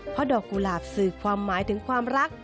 เพราะดอกกุหลาบสื่อความหมายถึงความรัก